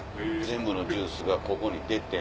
全部のジュースがここに出て。